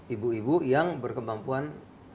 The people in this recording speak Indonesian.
ibu ibu yang berkemampuan